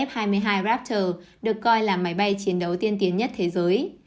s hai và f hai mươi hai raptor được coi là máy bay chiến đấu tiên tiến nhất thế giới